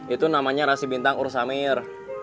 itu namanya nasi bintang ursamir